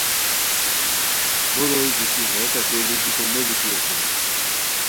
بو روئے گیتی ہو ݯاکے لودیکو نوبیتی اسونی